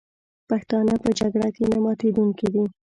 پښتانه په جګړه کې نه ماتېدونکي دي.